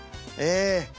ええ。